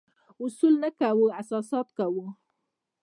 اصول نه کوو، احساسات کوو.